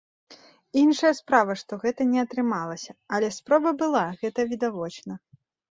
Іншая справа, што гэта не атрымалася, але спроба была, гэта відавочна.